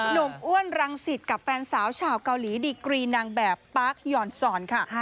อ้วนรังสิตกับแฟนสาวชาวเกาหลีดีกรีนางแบบปาร์คหย่อนซอนค่ะ